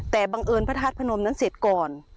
แต่บังเอิญพระธาตุพนมนั้นเสร็จก่อน